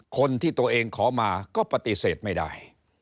คนที่ตัวเองขอมาก็ปฏิเสธไม่ได้